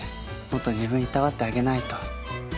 もっと自分をいたわってあげないと。